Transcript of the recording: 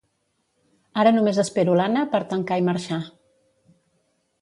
Ara només espero l'Anna per tancar i marxar